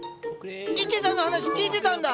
池さんの話聞いてたんだ！